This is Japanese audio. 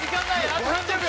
あと３０秒。